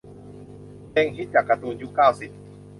เพลงฮิต จากการ์ตูนยุค เก้าสิบ